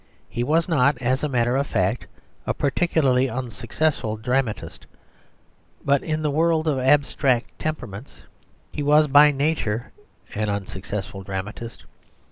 He was not, as a matter of fact, a particularly unsuccessful dramatist; but in the world of abstract temperaments he was by nature an unsuccessful dramatist.